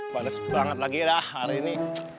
panas banget lagi dah hari ini